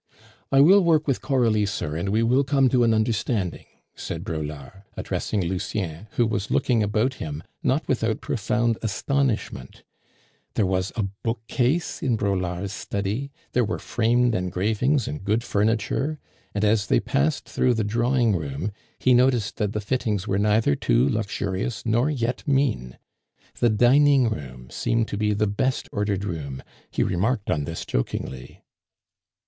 "I will work with Coralie, sir, and we will come to an understanding," said Braulard, addressing Lucien, who was looking about him, not without profound astonishment. There was a bookcase in Braulard's study, there were framed engravings and good furniture; and as they passed through the drawing room, he noticed that the fittings were neither too luxurious nor yet mean. The dining room seemed to be the best ordered room, he remarked on this jokingly.